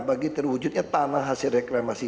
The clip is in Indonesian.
bagi terwujudnya tanah hasil reklamasi